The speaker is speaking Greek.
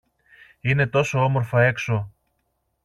Είναι τόσο όμορφα έξω!